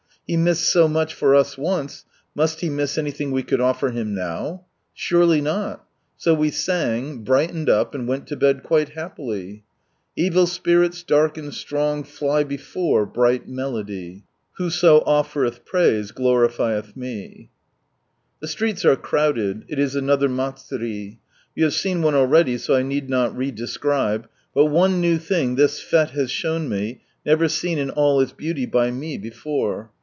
e missed so much for us once, must He miss anything we could offer Him now ? Surely not ! So we sang, brightened up, and went to bed quite happily, " Evil spirits dark and strong Jly before bright melody." " Whoso oflfereih praise glorifieth Me." ^^^^^^1 >J / one already, so I need not re describe, but one new thing this fete ^^^^^^H VI has shown me, never seen in all its beauty by me before.